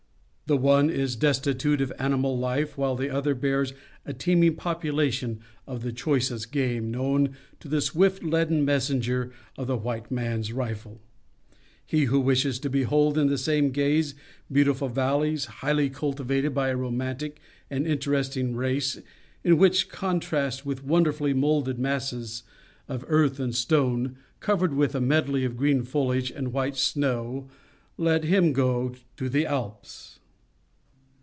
The one is destitute of animal life while the other bears a teeming population of the choicest game known to the swift leaden messenger of the white man's rifle. He who wishes to behold in the same gaze, beautiful valleys, highly cultivated by a romantic and interesting race, in rich contrast with wonderfully moulded masses of earth and stone, covered with a medley of green foliage and white snow, let him go to the Alps.